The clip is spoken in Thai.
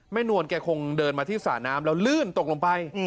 นวลแกคงเดินมาที่สระน้ำแล้วลื่นตกลงไป